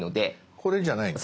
これじゃないんだ。